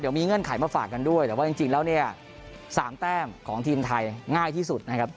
มีเงื่อนไขมาฝากกันด้วยแต่ว่าจริงแล้วเนี่ย๓แต้มของทีมไทยง่ายที่สุดนะครับ